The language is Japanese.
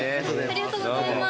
ありがとうございます。